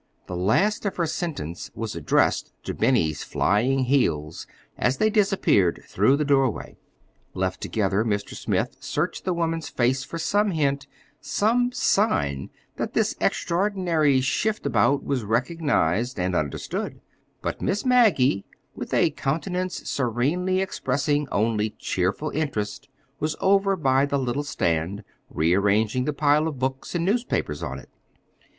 The last of her sentence was addressed to Benny's flying heels as they disappeared through the doorway. Left together, Mr. Smith searched the woman's face for some hint, some sign that this extraordinary shift about was recognized and understood; but Miss Maggie, with a countenance serenely expressing only cheerful interest, was over by the little stand, rearranging the pile of books and newspapers on it.